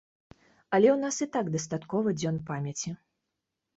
Але ў нас і так дастаткова дзён памяці.